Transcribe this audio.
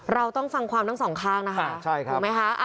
เราต้องฟังความทั้งสองข้างนะคะใช่ครับหูไหมคะอ่า